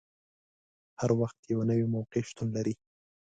هر وخت یوه نوې موقع شتون لري.